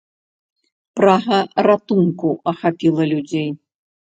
Прага ратунку ахапіла людзей.